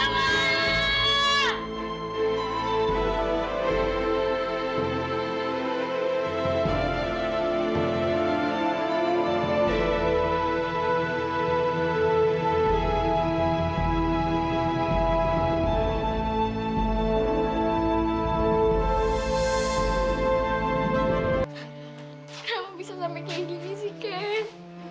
kamu bisa sampai ke sini sih ken